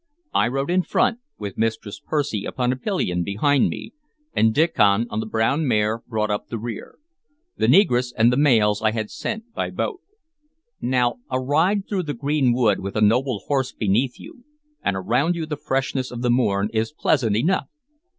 I rode in front, with Mistress Percy upon a pillion behind me, and Diccon on the brown mare brought up the rear. The negress and the mails I had sent by boat. Now, a ride through the green wood with a noble horse beneath you, and around you the freshness of the morn, is pleasant enough.